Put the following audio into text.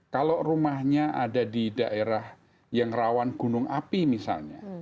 kalau rumahnya ada di daerah yang rawan gunung api misalnya